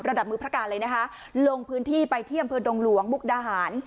ระดับมือพระการเลยนะคะลงพื้นที่ไปเที่ยมเพื่อดงหลวงมุกดาหาร